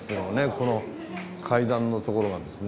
この階段の所がですね。